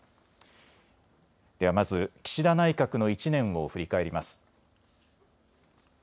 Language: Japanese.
では、まず岸田内閣の１年を振り返ります。